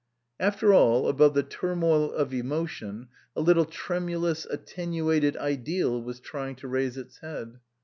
After all, above the turmoil of emotion a little tremulous, attenuated ideal was trying to raise its head.